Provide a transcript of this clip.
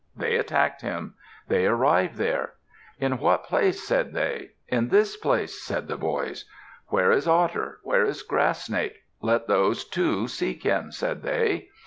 They attacked him. They arrived there. "In what place?" said they. "In this place," said the boys. "Where is Otter? Where is Grass Snake? Let those two seek him," said they.